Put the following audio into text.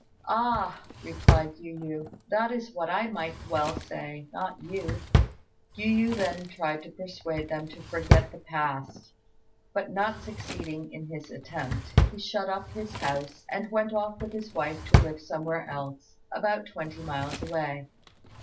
"Ah," replied Yu yü, "that is what I might well say; not you." Yu yü then tried to persuade them to forget the past; but, not succeeding in his attempt, he shut up his house, and went off with his wife to live somewhere else, about twenty miles away.